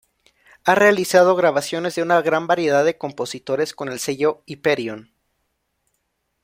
Ha realizado grabaciones de una gran variedad de compositores con el sello Hyperion.